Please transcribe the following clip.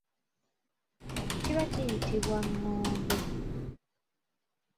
Kiba kiyitibwa nnombe.